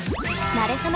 なれそめ！